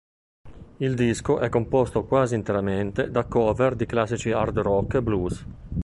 Il disco è composto quasi interamente da cover di classici hard rock e blues.